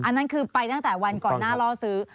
อันนั้นคือไปตั้งแต่วันก่อนหน้าล่อซื้อ